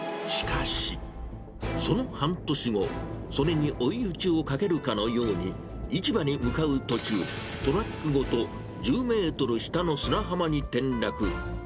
しかし、その半年後、それに追い打ちをかけるかのように、市場に向かう途中、トラックごと１０メートル下の砂浜に転落。